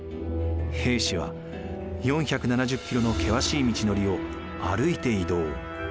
兵士は４７０キロの険しい道のりを歩いて移動。